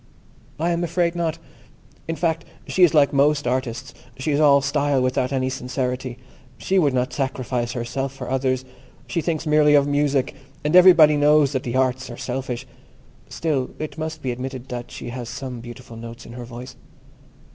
I am afraid not. In fact, she is like most artists; she is all style, without any sincerity. She would not sacrifice herself for others. She thinks merely of music, and everybody knows that the arts are selfish. Still, it must be admitted that she has some beautiful notes in her voice.